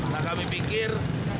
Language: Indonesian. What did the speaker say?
nah kami pikir